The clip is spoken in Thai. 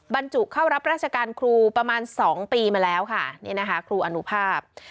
บรรจุเข้ารับราชการครูประมาณสองปีมาแล้วค่ะนี่นะคะครูอนุภาพ